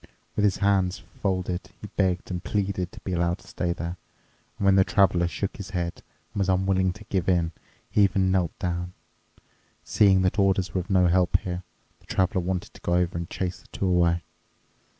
With his hands folded he begged and pleaded to be allowed to stay there. And when the Traveler shook his head and was unwilling to give in, he even knelt down. Seeing that orders were of no help here, the Traveler wanted to go over and chase the two away.